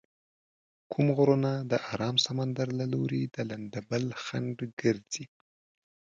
کوم غرونه د ارام سمندر له لوري د لندبل خنډ ګرځي؟